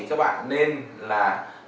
các bạn nên là